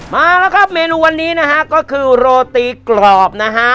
มาแล้วครับเมนูวันนี้นะฮะก็คือโรตีกรอบนะฮะ